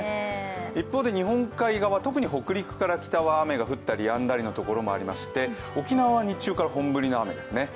一方で日本海側、特に北陸から北は降ったりやんだりの所がありまして沖縄は日中から本降りの雨ですね。